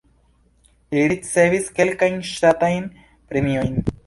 Li ricevis kelkajn ŝtatajn premiojn.